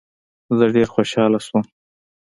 زه ډیر خوشحاله سوم.